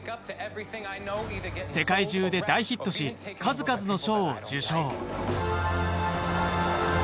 世界中で大ヒットし数々の賞を受賞